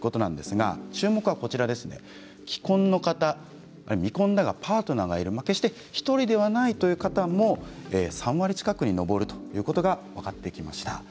注目は既婚の方または未婚だけどパートナーがいる１人ではないという方も３割近くいるということが分かってきました。